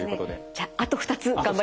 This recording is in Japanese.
じゃああと２つ頑張りましょう。